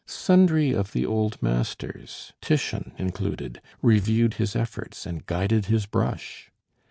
Sundry of the old masters, Titian included, reviewed his efforts and guided his brush!